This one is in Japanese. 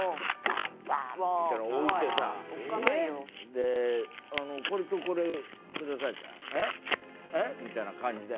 で「これとこれください」って言ったら「えっ？えっ？」みたいな感じで。